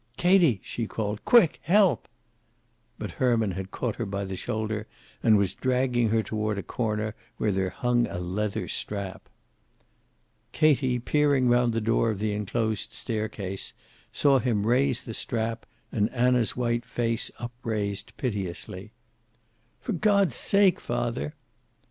"Katie!" she called. "Quick. Help!" But Herman had caught her by the shoulder and was dragging her toward a corner, where there hung a leather strap. Katie, peering round the door of the enclosed staircase, saw him raise the strap, and Anna's white face upraised piteously. "For God's sake, father."